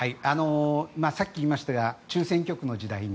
さっき言いましたが中選挙区の時代に